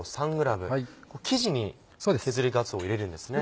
生地に削りがつお入れるんですね。